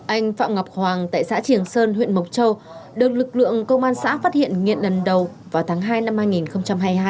anh phạm ngọc hoàng tại xã triển sơn huyện mộc châu được lực lượng công an xã phát hiện nghiện lần đầu vào tháng hai năm hai nghìn hai mươi hai